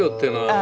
あ。